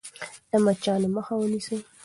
د مچانو مخه ونیسئ.